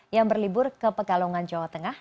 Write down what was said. yang berlibur ke pekalongan jawa tengah